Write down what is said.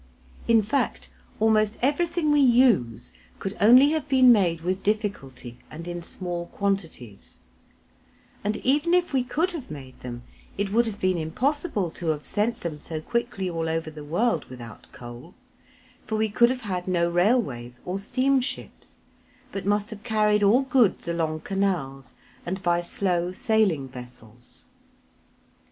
In fact, almost everything we use could only have been made with difficulty and in small quantities; and even if we could have made them it would have been impossible to have sent them so quickly all over the world without coal, for we could have had no railways or steamships, but must have carried all goods along canals, and by slow sailing vessels.